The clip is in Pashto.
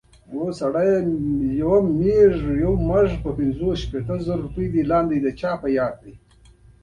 د ودانیو او کورونو شمېر معلومولو شونتیا موجوده وه